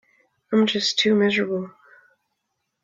I'm just too miserable.